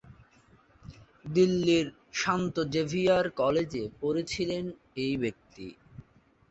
দিল্লির শান্ত জেভিয়ার কলেজে পড়েছিলেন এই ব্যক্তি।